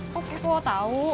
kok lo tau